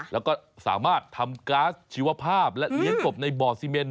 แล้วก็สามารถทำก๊าซชีวภาพและเลี้ยงกบในบ่อซีเมน